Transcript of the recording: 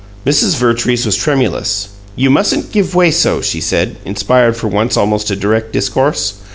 Mrs. Vertrees was tremulous. "You mustn't give way so," she said, inspired for once almost to direct discourse.